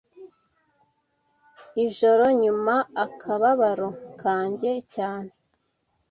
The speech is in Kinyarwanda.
Ijoro ryumva akababaro kanjye cyane